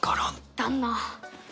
旦那